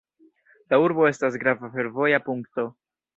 La urbo estas grava fervoja punkto.